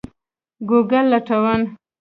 ګوګل لټون